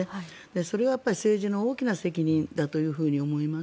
それは政治の大きな責任だと思います。